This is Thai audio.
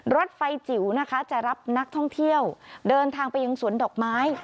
รถไฟจิ๋วนะคะจะรับนักท่องเที่ยวเดินทางไปยังสวนดอกไม้